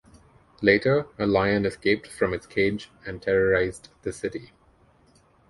Later, a lion escaped from its cage and terrorized the city.